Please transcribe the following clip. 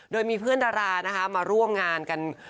โดยมีเพื่อนดารานะคะมาร่วมงานกัน